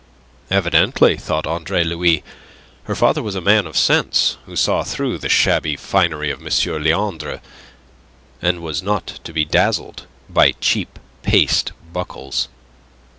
Evidently, thought Andre Louis, her father was a man of sense, who saw through the shabby finery of M. Leandre, and was not to be dazzled by cheap paste buckles.